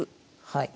はい。